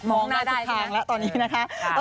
มองมาสุดทางแล้วตอนนี้นะคะ